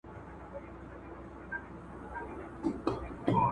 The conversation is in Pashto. د نويو علومو په زده کړه کي هڅه وکړئ.